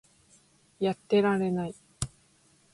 やってられない